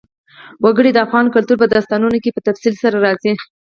وګړي د افغان کلتور په داستانونو کې په تفصیل سره راځي.